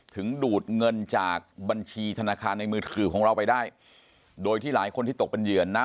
ดูดเงินจากบัญชีธนาคารในมือถือของเราไปได้โดยที่หลายคนที่ตกเป็นเหยื่อนะ